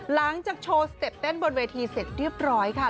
หลังจากโชว์สเต็ปเต้นบนเวทีเสร็จเรียบร้อยค่ะ